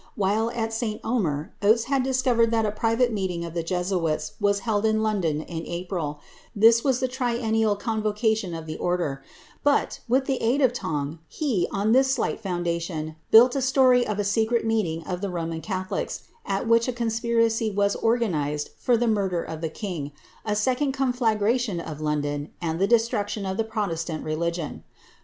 While at St. Omer, Oates had discovered that a private eeiing of the Jesuits was held in London in April ; this was the trien al convocation of the order; but, with the aid of Tong, he on thifr ight foundation, built a story of a secret meeting of the Roman catho is^ at which a conspiracy was organized for the murder of the king, ^ icond conflagration of London, and the destruction of the protestam ligion.